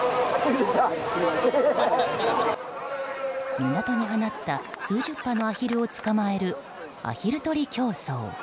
港に放った数十羽のアヒルを捕まえるアヒル取り競争。